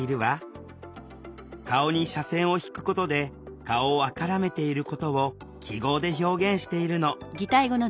顔に斜線を引くことで「顔を赤らめている」ことを記号で表現しているの。